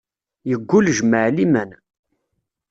Yeggul, jmaɛ liman.